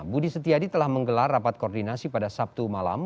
budi setiadi telah menggelar rapat koordinasi pada sabtu malam